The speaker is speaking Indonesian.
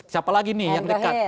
siapa lagi nih yang dekat